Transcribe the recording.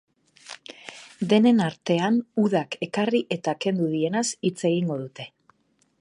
Denen artean, udak ekarri eta kendu dienaz hitz egingo dute.